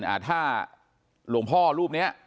อาธาตันล้วงพ่อรูปเนี้ย